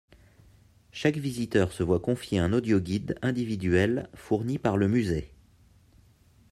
Chaque visiteur se voit confier un audio-guide individuel fourni par le musée.